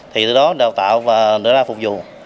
thì từ đó đào tạo và để ra phục vụ